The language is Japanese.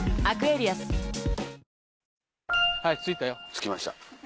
着きました。